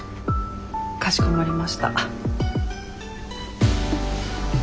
かしこまりました。